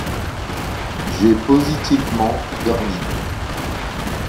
J’ai positivement dormi…